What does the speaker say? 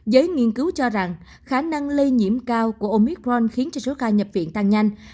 giới nghiên cứu cho rằng khả năng lây nhiễm cao của omicron khiến cho số ca nhập viện tăng nhanh